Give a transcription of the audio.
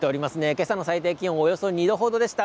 今朝の最低気温はおよそ２度程でした。